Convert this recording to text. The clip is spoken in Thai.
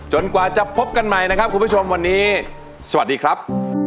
กว่าจะพบกันใหม่นะครับคุณผู้ชมวันนี้สวัสดีครับ